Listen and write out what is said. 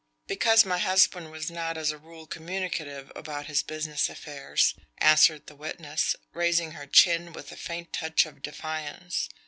"Because my husband was not as a rule communicative about his business affairs," answered the witness, raising her chin with a faint touch of defiance.